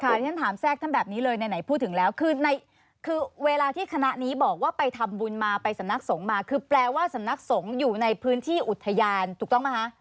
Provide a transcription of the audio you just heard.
ที่ฉันถามแทรกท่านแบบนี้เลยไหนพูดถึงแล้วคือเวลาที่คณะนี้บอกว่าไปทำบุญมาไปสำนักสงฆ์มาคือแปลว่าสำนักสงฆ์อยู่ในพื้นที่อุทยานถูกต้องไหมคะ